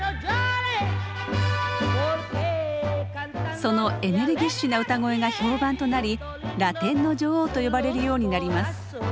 そのエネルギッシュな歌声が評判となりラテンの女王と呼ばれるようになります。